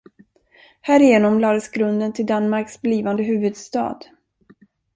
Härigenom lades grunden till Danmarks blivande huvudstad.